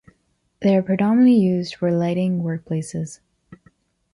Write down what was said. They are predominantly used for lighting workplaces.